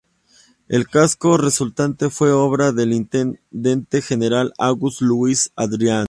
El casco resultante fue obra del Intendente-General August-Louis Adrian.